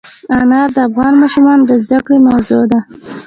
انار د افغان ماشومانو د زده کړې موضوع ده.